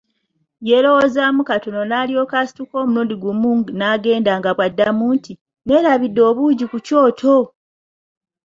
Yeelowoozaamu katono n’alyoka asituka omulundi gumu n’agenda nga bw’adduma nti, “Neerabidde obuugi ku kyoto!